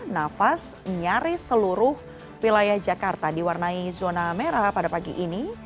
nafas nyaris seluruh wilayah jakarta diwarnai zona merah pada pagi ini